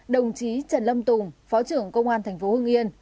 đồng chí trần lâm tùng phó trưởng công an thành phố hưng yên